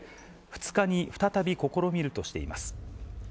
２日に再び試みるとしています。